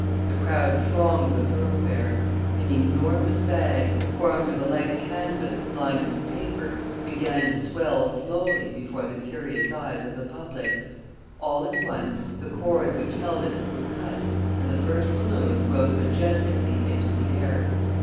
The crowd thronged the thoroughfare. An enormous bag, formed of a light canvas lined with paper, began to swell slowly before the curious eyes of the public; all at once the cords which held it were cut, and the first balloon rose majestically into the air.